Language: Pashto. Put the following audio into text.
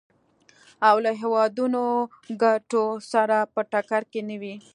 او له هېوادنیو ګټو سره په ټکر کې نه وي.